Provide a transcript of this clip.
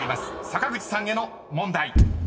坂口さんへの問題］